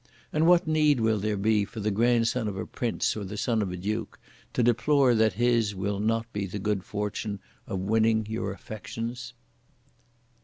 And what need will there be for the grandson of a prince or the son of a duke to deplore that his will not be the good fortune (of winning your affections)?